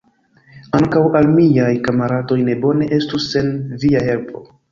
Ankaŭ al miaj kamaradoj ne bone estus sen via helpo!